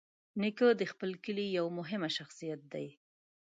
نیکه د خپل کلي یوه مهمه شخصیت دی.